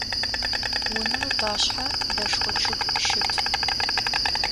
Vunem ıpaşshe deşşxo ççıg şıt.